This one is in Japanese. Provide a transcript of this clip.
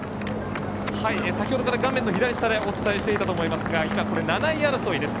先ほどから画面左下でお伝えしていたと思いますが今、７位争いです。